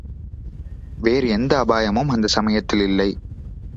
வேறு எந்த அபாயமும் அந்தச்சமயத்தில் இல்லை.